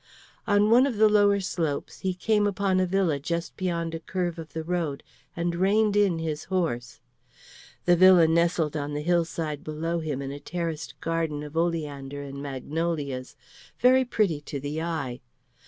On one of the lower slopes he came upon a villa just beyond a curve of the road, and reined in his horse. The villa nestled on the hillside below him in a terraced garden of oleander and magnolias, very pretty to the eye.